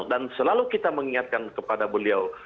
dan selalu kita mengingatkan kepada beliau